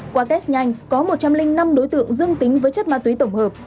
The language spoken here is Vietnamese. qua test nhanh có một trăm linh năm đối tượng dương tính với chất ma túy tổng hợp